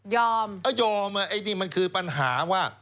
ยอมยอมนี่มันคือปัญหาว่า